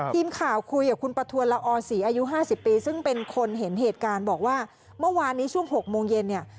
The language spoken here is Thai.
ทีมข่าวคุยกับคุณประทวนละออศรีอายุ๕๐ปีซึ่งเป็นคนเห็นเหตุการณ์บอกว่าเมื่อวานนี้ช่วง๖โมงเย็นเนี่ย